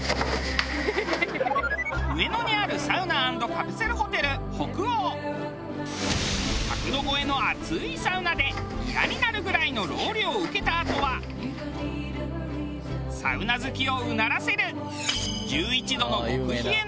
上野にある１００度超えの熱いサウナで嫌になるぐらいのロウリュを受けたあとはサウナ好きをうならせる１１度の極冷の水風呂に。